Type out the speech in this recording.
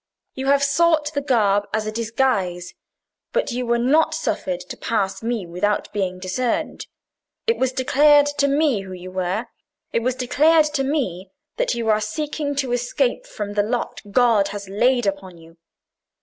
You have sought the garb as a disguise. But you were not suffered to pass me without being discerned. It was declared to me who you were: it is declared to me that you are seeking to escape from the lot God has laid upon you.